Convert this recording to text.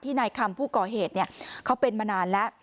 นายคำผู้ก่อเหตุเขาเป็นมานานแล้ว